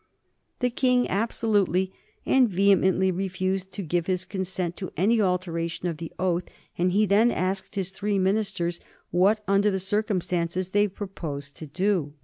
The King absolutely and vehemently refused to give his consent to any alteration of the oath, and he then asked his three ministers what, under the circumstances, they proposed to do.